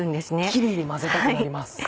キレイに混ぜたくなります。